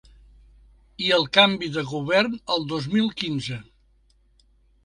I el canvi de govern el dos mil quinze.